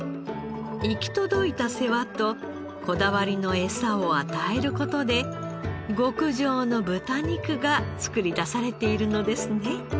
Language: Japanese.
行き届いた世話とこだわりのエサを与える事で極上の豚肉が作り出されているのですね。